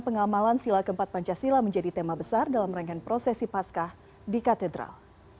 pengamalan sila keempat pancasila menjadi tema besar dalam rangkaian prosesi paskah di katedral